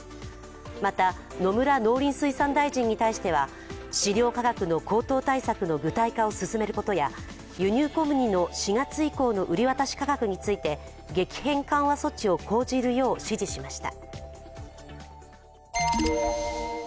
また、野村農林水産大臣に対しては飼料価格の高騰対策の具体化を進めることや輸入小麦の４月以降の売り渡し価格について激変緩和措置を講じるよう指示しました。